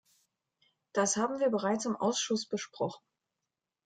Das haben wir bereits im Ausschuss besprochen.